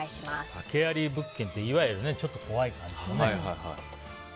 訳あり物件って、いわゆるちょっと怖い感じのね。